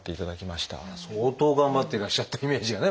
相当頑張っていらっしゃったイメージがね